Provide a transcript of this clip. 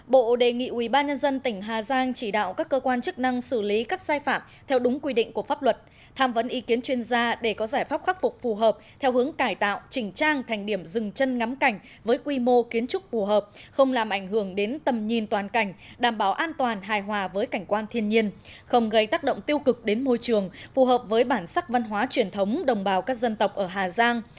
bộ đề nghị ubnd tỉnh hà giang chỉ đạo các cơ quan chức năng xử lý các sai phạm theo đúng quy định của pháp luật tham vấn ý kiến chuyên gia để có giải pháp khắc phục phù hợp theo hướng cải tạo trình trang thành điểm rừng chân ngắm cảnh với quy mô kiến trúc phù hợp không làm ảnh hưởng đến tầm nhìn toàn cảnh đảm bảo an toàn hài hòa với cảnh quan thiên nhiên không gây tác động tiêu cực đến môi trường phù hợp với bản sắc văn hóa truyền thống đồng bào các dân tộc ở hà giang